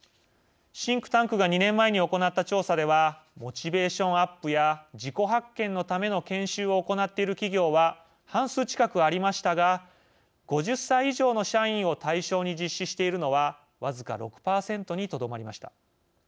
シンクタンクが２年前に行った調査ではモチベーションアップや自己発見のための研修を行っている企業は半数近くありましたが５０歳以上の社員を対象に実施しているのは僅か６％にとどまりました。